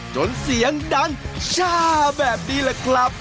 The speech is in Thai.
เสียงดังช่าแบบนี้แหละครับ